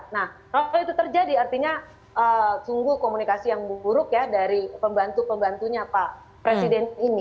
nah kalau itu terjadi artinya sungguh komunikasi yang buruk ya dari pembantu pembantunya pak presiden ini